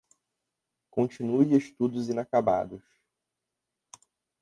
Continue estudos inacabados